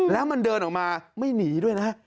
แล้วมันเดินออกมาไม่หนีด้วยนะ